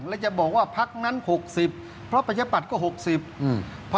แล้วจะบอกว่าพักนั้นหกสิบเพราะประชาปัตย์ก็หกสิบอืม